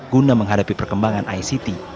guna menghadapi perkembangan ict